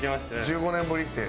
１５年ぶりって。